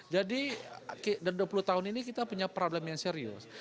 dan dua puluh tahun ini kita punya problem yang serius